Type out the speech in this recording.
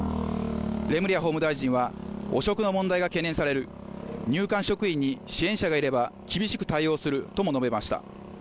レムリヤ法務大臣は汚職の問題が懸念される入管職員に支援者がいれば厳しく対応するとも述べました